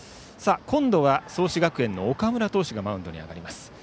今度は、創志学園の岡村投手がマウンドに上がります。